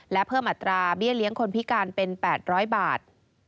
และเพิ่มอัตราเบี้ยเลี้ยงคนพิการเป็น๘๐๐บาท